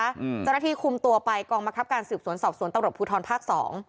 เจ้าหน้าที่คุมตัวไปกองบังคับการสืบสวนสอบสวนตำรวจภูทรภาคสอง